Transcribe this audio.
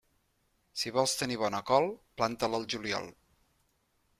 Si vols tenir bona col, planta-la al juliol.